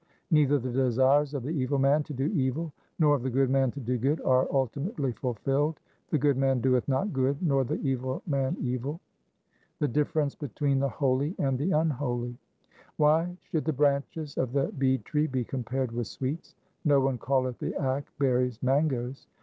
Neither the desires of the evil man to do evil nor of the good man to do good are ultimately fulfilled. The good man doeth not good, nor the evil man evil. 3 The difference between the holy and the unholy :— Why should the branches of the bead tree be compared with sweets ? No one calleth the akk berries mangoes.